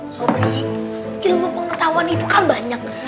sobri ilmu pengetahuan itu kan banyak